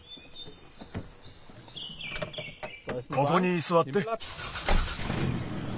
ここにすわって。